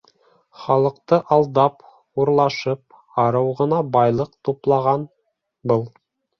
Халыҡты алдап, урлашып, арыу ғына байлыҡ туплаған был.